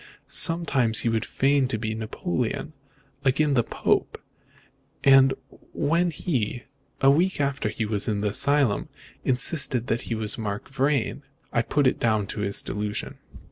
Sometimes he would feign to be Napoleon; again the Pope; so when he, a week after he was in the asylum, insisted that he was Mark Vrain, I put it down to his delusion."